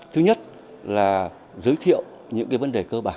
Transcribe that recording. thứ nhất là giới thiệu những vấn đề cơ bản